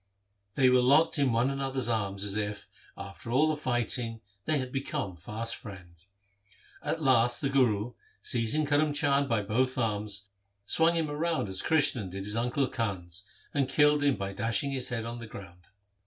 They were locked in one another's arms, as if, after all the fighting, they had become fast friends. At last the Guru, seizing Karm Chand by both arms, swung him round as Krishan did his uncle Kans, and killed him by dashing his head on the ground.